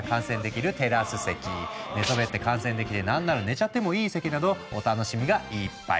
寝そべって観戦できてなんなら寝ちゃってもいい席などお楽しみがいっぱい。